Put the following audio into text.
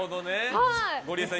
ゴリエさん